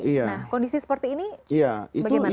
nah kondisi seperti ini bagaimana pak kiai